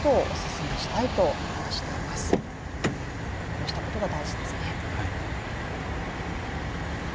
こうしたことが大事ですね。